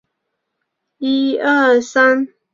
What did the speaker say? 本科植物通常有着细长的茎与叶。